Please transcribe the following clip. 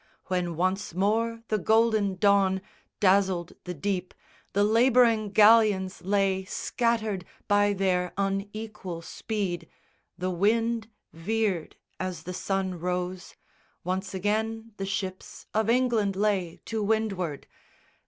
When once more the golden dawn Dazzled the deep, the labouring galleons lay Scattered by their unequal speed. The wind Veered as the sun rose. Once again the ships Of England lay to windward.